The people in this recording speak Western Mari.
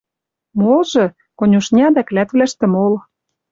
Молжы — конюшня дӓ клӓтвлӓштӹ мол.